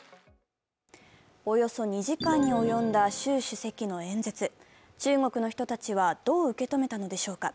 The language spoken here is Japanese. およそ２時間に及んだ習主席の演説、中国の人たちはどう受け止めたのでしょうか。